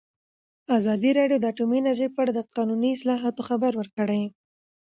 ازادي راډیو د اټومي انرژي په اړه د قانوني اصلاحاتو خبر ورکړی.